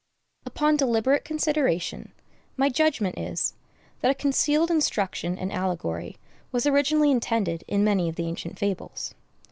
Upon deliberate consideration, my judgment is, that a concealed instruction and allegory was originally intended in many of the ancient fables.